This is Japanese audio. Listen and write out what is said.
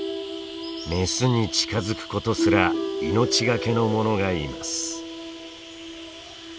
メスに近づくことすら命がけのものがいます。